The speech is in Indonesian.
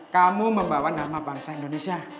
kamu membawa nama bangsa indonesia